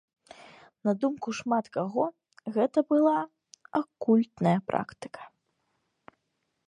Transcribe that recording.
На думку шмат каго, гэта была акультная практыка.